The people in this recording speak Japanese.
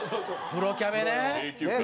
プロキャベね。